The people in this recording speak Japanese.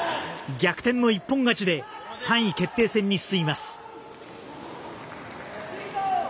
逆転の一本勝ちで３位決定戦に進みます。